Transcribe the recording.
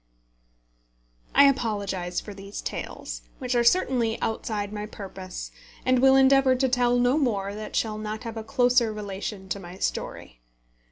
I apologise for these tales, which are certainly outside my purpose, and will endeavour to tell no more that shall not have a closer relation to my story.